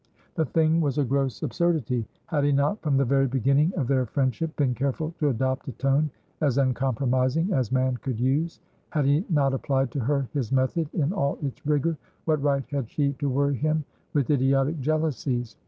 The thing was a gross absurdity. Had he not, from the very beginning of their friendship, been careful to adopt a tone as uncompromising as man could use? Had he not applied to her his "method" in all its rigour? What right had she to worry him with idiotic jealousies?